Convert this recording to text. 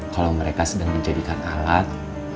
kalau mereka sedang dijadikan alat